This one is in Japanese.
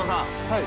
はい。